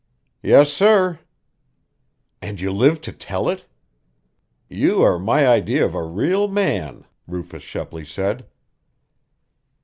"Yes, sir." "And you live to tell it? You are my idea of a real man!" Rufus Shepley said.